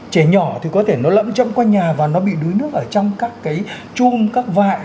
trẻ nhỏ thì có thể nó lẫm trông quanh nhà và nó bị đuối nước ở trong các cái chuông các vại